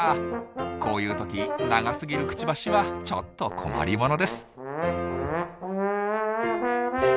こういう時長すぎるクチバシはちょっと困りものです。